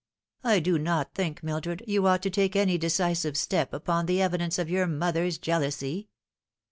I do not think, Mildred, you ought to take any decisive step upon the evidence of your mother's jealousy."